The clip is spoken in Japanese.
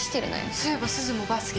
そういえばすずもバスケ好きだよね？